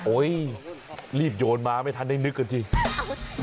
รีบโยนมาไม่ทันได้นึกกันจริง